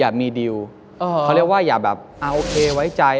อย่ามีเดียวเออเขาเรียกว่าอย่าแบบเอาโอเคไว้ใจ